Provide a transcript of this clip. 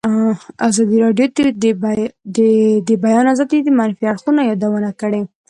ازادي راډیو د د بیان آزادي د منفي اړخونو یادونه کړې.